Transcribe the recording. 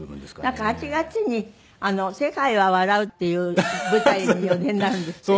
なんか８月に『世界は笑う』っていう舞台にお出になるんですって？